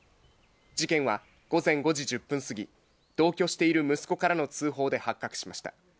事件は午前５時１０分過ぎ、同居している息子からの通報で発覚しました。